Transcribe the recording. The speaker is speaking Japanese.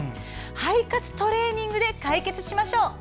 肺活トレーニングで解決しましょう。